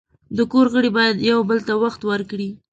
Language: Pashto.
د کور غړي باید یو بل ته وخت ورکړي.